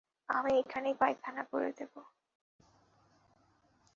আমি এখানেই পায়খানা করে দেবো।